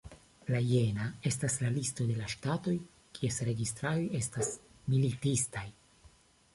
La jena estas listo de la ŝtatoj kies registaroj estas militistaj.